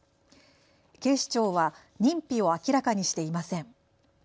警視庁は認否を明らかにしていません。